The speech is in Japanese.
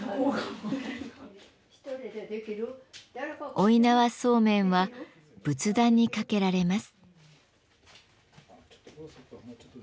負い縄そうめんは仏壇に掛けられます。